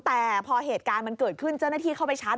แต่พอเหตุการณ์มันเกิดขึ้นเจ้าหน้าที่เข้าไปชัด